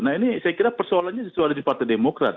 nah ini saya kira persoalannya disuat dari partai demokrat